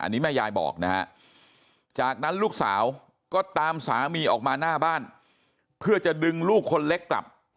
อันนี้แม่ยายบอกนะฮะจากนั้นลูกสาวก็ตามสามีออกมาหน้าบ้านเพื่อจะดึงลูกคนเล็กกลับ